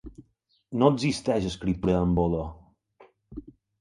No existeix escriptura en bolo.